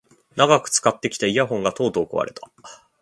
長く使ってきたイヤホンがとうとう壊れた